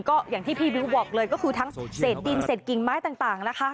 ก็อย่างที่พี่มิ้วบอกเลยก็คือทั้งเศษดินเศษกิ่งไม้ต่างนะคะ